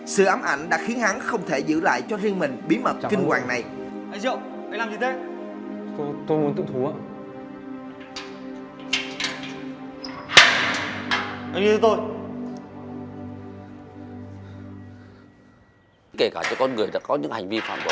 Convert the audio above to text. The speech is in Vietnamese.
sự ám ảnh đã khiến hắn không thể giữ lại cho riêng mình bí mật kinh hoàng này